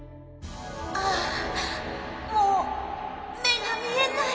ああもう目が見えない。